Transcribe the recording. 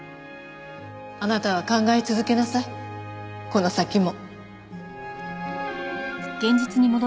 あなたは考え続けなさいこの先も。